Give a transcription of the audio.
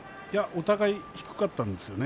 お互い低かったんですよね。